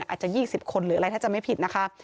อาจจะ๒๐คนหรืออะไรถ้าจะไม่ผิดนะคะ